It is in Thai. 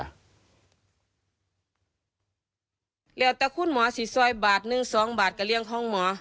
เหลือตะคุ้นหมอสิทธิบาท๑๒บาทกับเรียงของหมอ